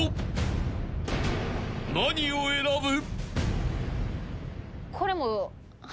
［何を選ぶ？］